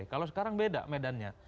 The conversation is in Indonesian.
kalau sekarang beda medannya